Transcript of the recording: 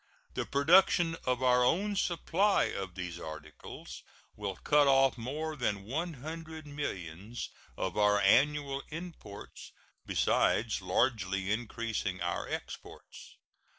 The production of our own supply of these articles will cut off more than one hundred millions of our annual imports, besides largely increasing our exports.